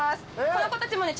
この子たちもね